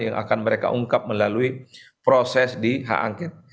yang akan mereka ungkap melalui proses di hak angket